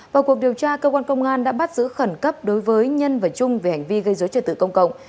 vào cuộc điều tra cơ quan công an đã bắt giữ khẩn cấp đối với nhân và trung về hành vi gây dối trợ tự công cộng